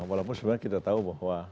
walaupun sebenarnya kita tahu bahwa